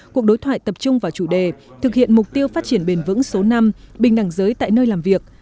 cuộc đối thoại tập trung vào chủ đề thực hiện mục tiêu phát triển bền vững số năm bình đẳng giới tại nơi làm việc